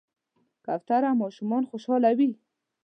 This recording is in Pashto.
کوتره ماشومان خوشحالوي.